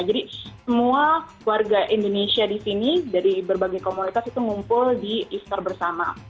jadi semua warga indonesia di sini dari berbagai komunitas itu ngumpul di easter bersama